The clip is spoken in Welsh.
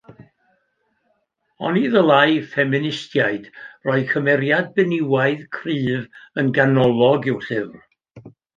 Oni ddylai ffeministiaid roi cymeriad benywaidd cryf yn ganolog i'w llyfr?